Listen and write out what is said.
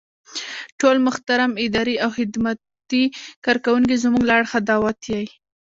ټول محترم اداري او خدماتي کارکوونکي زمونږ له اړخه دعوت يئ.